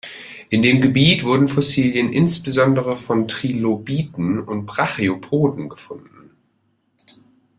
In dem Gebiet wurden Fossilien insbesondere von Trilobiten und Brachiopoden gefunden.